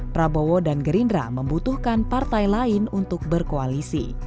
prabowo dan gerindra membutuhkan partai lain untuk berkoalisi